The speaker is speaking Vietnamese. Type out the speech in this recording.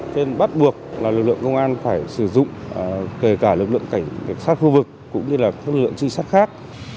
cho nên bắt buộc là lực lượng công an phải sử dụng kể cả lực lượng cảnh sát khu vực cũng như là các lực lượng trinh sát khác